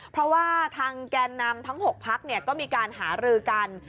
เพราะว่าทางแกนนำทั้ง๖พักก็มีการหารือกัน